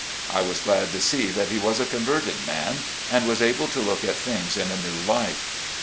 I was glad to see that he was a converted man, and was able to look at things in a new light.